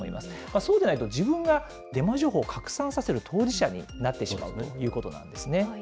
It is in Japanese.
そうでないと、自分がデマ情報を拡散させる当事者になってしまうということなんですね。